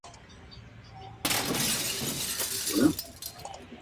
Es un agradable contraste que lo convierte en un sorprendente álbum.